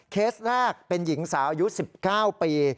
เคสแรกเป็นหญิงสาวอายุ๑๙ปี